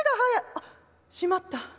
あっしまった。